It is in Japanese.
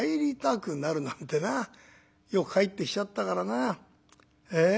帰ってきちゃったからなええ？